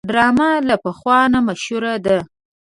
ډرامه له پخوا نه مشهوره ده